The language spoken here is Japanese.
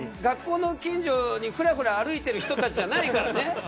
学校の近所にフラフラ歩いてる人たちじゃないからね